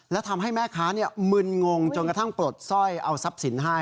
และทำให้แม่ค้ามึนงงจนกระทั่งปลดสร้อยเอาทรัพย์สินให้